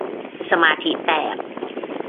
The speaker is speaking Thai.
สมาธิแตก